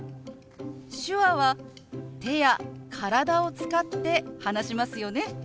手話は手や体を使って話しますよね。